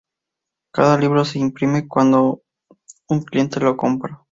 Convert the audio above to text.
Cada libro se imprime solo cuando un cliente lo compra.